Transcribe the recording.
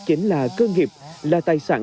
chính là cơ nghiệp là tài sản